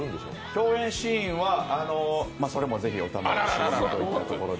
共演シーンは、それもぜひお楽しみにというところで。